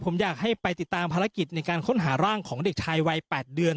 ผมอยากให้ไปติดตามภารกิจในการค้นหาร่างของเด็กชายวัย๘เดือน